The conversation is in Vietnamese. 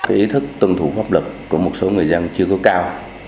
ý thức tuân thủ pháp lực của một số người dân chưa có cao